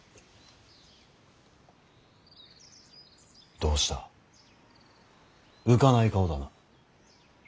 どうした浮かない顔だな。